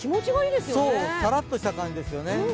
さらっとした感じですよね。